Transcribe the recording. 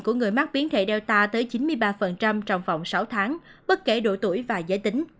của người mắc biến thể data tới chín mươi ba trong vòng sáu tháng bất kể độ tuổi và giới tính